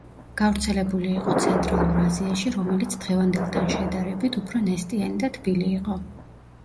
გავრცელებული იყო ცენტრალურ აზიაში, რომელიც დღევანდელთან შედარებით უფრო ნესტიანი და თბილი იყო.